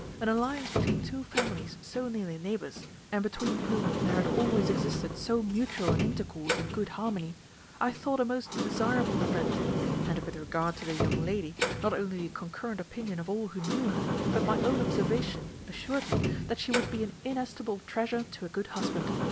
An alliance between two families so nearly neighbours, and between whom there had always existed so mutual an intercourse and good harmony, I thought a most desirable event; and with regard to the young lady, not only the concurrent opinion of all who knew her, but my own observation assured me that she would be an inestimable treasure to a good husband.